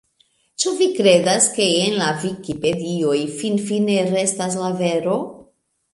Ĉu vi kredas, ke en la vikipedioj finfine restas la vero?